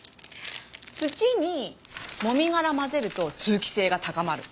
土にもみ殻混ぜると通気性が高まる。